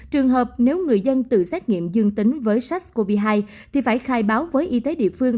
trường hợp nếu người dân tự xét nghiệm dương tính với sars cov hai thì phải khai báo với y tế địa phương